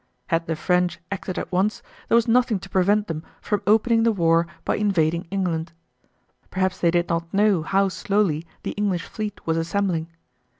Had the French acted at once, there was nothing to prevent them from opening the war by invading England. Perhaps they did not know how slowly the English fleet was assembling.